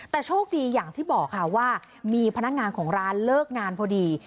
แต่โชคดีอย่างที่บอกค่ะว่ามีพนักงานของร้านเลิกงานพอดี